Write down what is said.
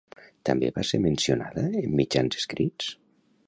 També va ser mencionada en mitjans escrits?